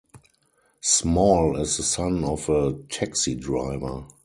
Small is the son of a taxi driver.